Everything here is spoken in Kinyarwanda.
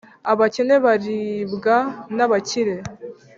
abakene baribwa n’abakire